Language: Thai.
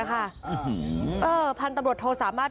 พันธุ์ตำรวจโทสามารถ